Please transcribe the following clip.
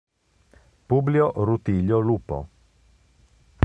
Publio Rutilio Lupo